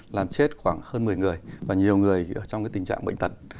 làm chết khoảng hơn một mươi người và nhiều người trong tình trạng bệnh tật